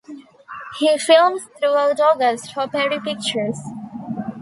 He films throughout August for Perry Pictures.